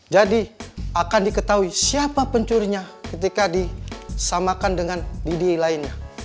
jadi akan diketahui siapa pencurinya ketika disamakan dengan lidi lainnya